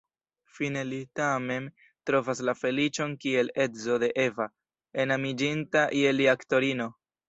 Fine li tamen trovas la feliĉon kiel edzo de Eva, enamiĝinta je li aktorino.